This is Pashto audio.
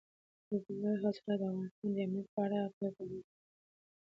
دځنګل حاصلات د افغانستان د امنیت په اړه هم اغېز لري.